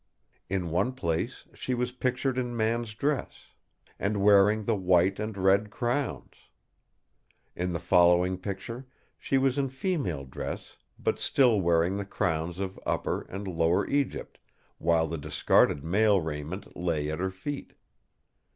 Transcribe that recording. In one place she was pictured in man's dress, and wearing the White and Red Crowns. In the following picture she was in female dress, but still wearing the Crowns of Upper and Lower Egypt, while the discarded male raiment lay at her feet.